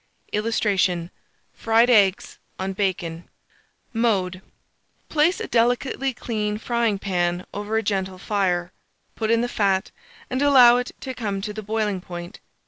[Illustration: FRIED EGGS ON BACON.] Mode. Place a delicately clean frying pan over a gentle fire; put in the fat, and allow it to come to the boiling point.